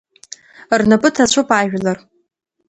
Рнапы ҭацәуп ажәлар.